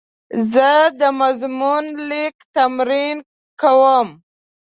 زه د مضمون لیک تمرین کوم.